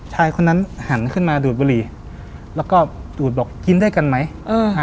ชายคนนั้นหันขึ้นมาดูดบุหรี่แล้วก็ดูดบอกกินด้วยกันไหมเอออ่า